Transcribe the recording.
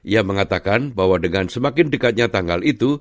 ia mengatakan bahwa dengan semakin dekatnya tanggal itu